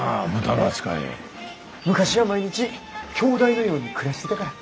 昔は毎日兄弟のように暮らしてたから。